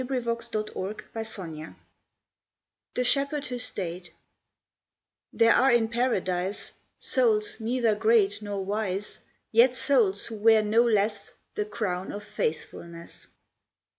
Josiah Gilbert Holland THE SHEPHERD WHO STAYED _There are in Paradise Souls neither great nor wise, Yet souls who wear no less The crown of faithfulness.